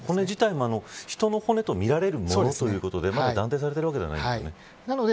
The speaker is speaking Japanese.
骨自体も、人の骨とみられるものということでまだ断定されているわけではないんですよね。